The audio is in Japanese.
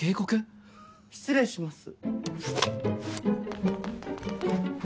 失礼します。